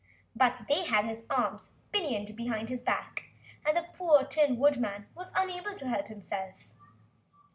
But they had his arms pinioned behind his back, and the poor Tin Woodman was unable to help himself.